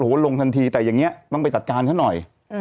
โอ้โหลงทันทีแต่อย่างนี้ต้องไปจัดการเขาหน่อย